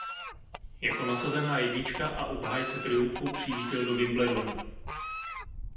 Jako nasazená jednička a obhájce triumfu přijížděl do Wimbledonu.